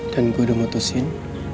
dan gue udah putusin